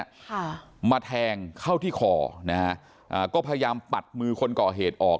ค่ะมาแทงเข้าที่คอนะฮะอ่าก็พยายามปัดมือคนก่อเหตุออก